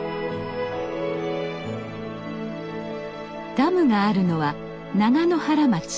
ダムがあるのは長野原町。